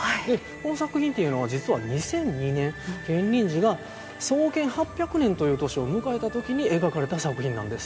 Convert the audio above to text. この作品っていうのは実は２００２年建仁寺が創建８００年という年を迎えた時に描かれた作品なんです。